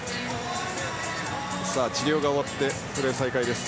治療が終わってプレー再開です。